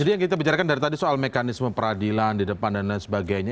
jadi yang kita bicarakan dari tadi soal mekanisme peradilan di depan dan lain sebagainya